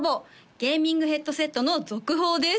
ゲーミングヘッドセットの続報です